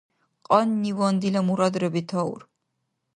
Кьанниван дила мурадра бетаур.